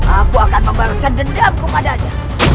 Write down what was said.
aku akan membalaskan dendam kepadanya